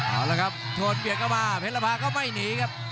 เอาละครับโทนเบียดเข้ามาเพชรภาก็ไม่หนีครับ